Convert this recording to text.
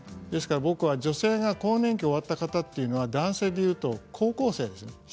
ですから僕は女性が更年期終わった方というのは男性でいうと高校生ですね。